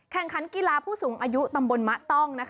แข่งขันกีฬาผู้สูงอายุตำบลมะต้อง